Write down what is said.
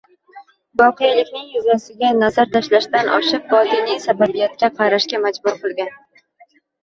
voqelikning yuzasiga nazar tashlashdan oshib, botiniy sababiyatga qarashga majbur qilgan.